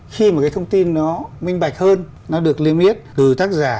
khi mà cái thông tin nó minh bạch hơn nó được liêm yết từ tác giả